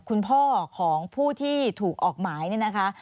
คุณพ่อของผู้ที่ถูกออกหมายเนี่ยนะคะ